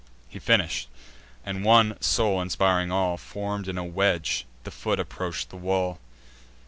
He finish'd; and, one soul inspiring all, Form'd in a wedge, the foot approach the wall.